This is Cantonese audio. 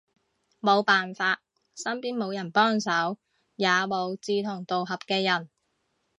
無辦法，身邊無人幫手，也無志同道合嘅人